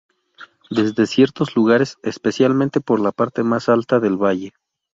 Desde ciertos lugares, especialmente, por la parte más alta del valle.